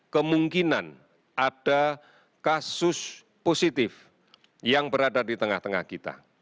kemungkinan ada kasus positif yang berada di tengah tengah kita